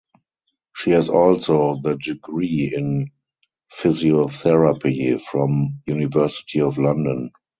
She has also the degree in Physiotherapy from University of London.